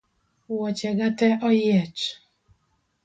Wuoche ga tee oyiech